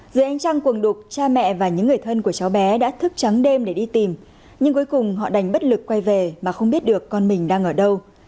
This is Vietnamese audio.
dưới ánh trăng cuồng đục cha mẹ và những người thân của cháu bé đã thức trắng đêm để đi tìm nhưng cuối cùng họ đành bất lực quay về mà không biết được con mình đang ở đâu